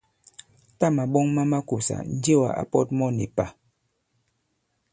Tâ màɓɔŋ ma makùsà, Njewà ǎ pɔ̄t mɔ nì pà.